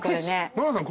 ノラさん